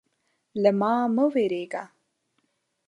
_له ما مه وېرېږه.